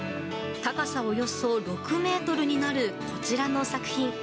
高さおよそ６ｍになるこちらの作品。